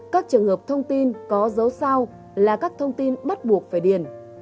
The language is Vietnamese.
các trường hợp thông tin có dấu sao là các thông tin bắt buộc phải điền